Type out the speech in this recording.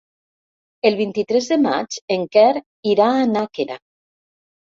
El vint-i-tres de maig en Quer irà a Nàquera.